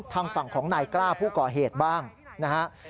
ทางฝั่งของนายกล้าผู้ก่อเหตุบ้างนะฮะ